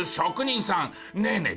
ねえねえ